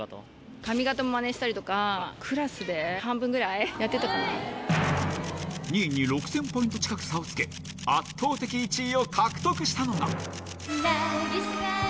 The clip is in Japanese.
髪形もまねしたりとか、２位に６０００ポイント近く差をつけ、圧倒的１位を獲得したのが。